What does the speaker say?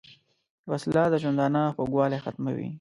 وسله د ژوندانه خوږوالی ختموي